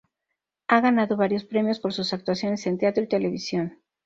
Ha ganado varios premios por sus actuaciones en teatro y televisión.